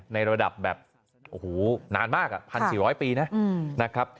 ในระดับแบบโอ้โหนานมาก๑๔๐๐ปีนะครับ